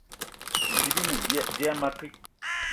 Bidi bi ne dia a makit